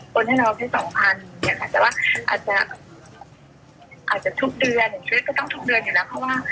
คนให้เราให้สองพันแต่ว่าอาจจะอาจจะทุกเดือนเพราะก็ต้องทุกเดือนอยู่แล้วเพราะว่า